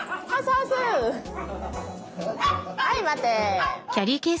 はい待て。